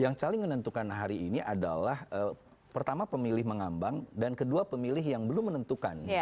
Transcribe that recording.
yang saling menentukan hari ini adalah pertama pemilih mengambang dan kedua pemilih yang belum menentukan